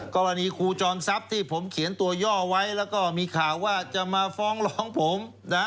ครูจอมทรัพย์ที่ผมเขียนตัวย่อไว้แล้วก็มีข่าวว่าจะมาฟ้องร้องผมนะ